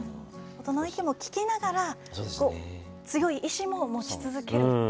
大人の意見も聞きながら強い意志も持ち続けるって。